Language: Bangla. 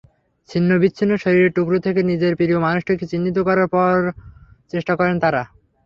ছিন্নবিচ্ছিন্ন শরীরের টুকরা থেকে নিজের প্রিয় মানুষটিকে চিহ্নিত করার চেষ্টা করেন তাঁরা।